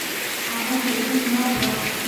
هغه څوکۍ زما ده.